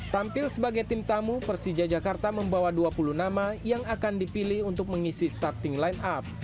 tampil sebagai tim tamu persija jakarta membawa dua puluh nama yang akan dipilih untuk mengisi starting line up